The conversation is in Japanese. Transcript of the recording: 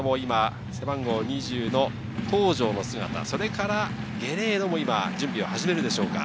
背番号２０の東條の姿、そしてゲレーロも準備を始めるでしょうか？